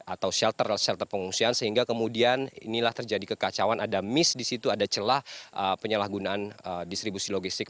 atau shelter shelter pengungsian sehingga kemudian inilah terjadi kekacauan ada miss di situ ada celah penyalahgunaan distribusi logistik